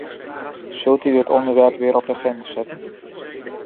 Zult u het onderwerp weer op de agenda zetten?